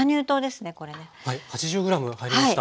はい８０ｇ入りました。